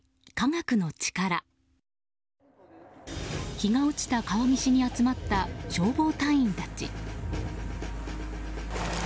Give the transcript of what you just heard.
日が落ちた川岸に集まった消防隊員たち。